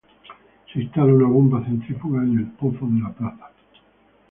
Se instala una bomba centrífuga en el pozo de la plaza.